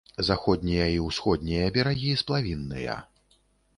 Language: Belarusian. Заходнія і ўсходнія берагі сплавінныя.